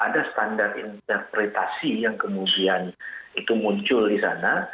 ada standar interpretasi yang kemudian itu muncul di sana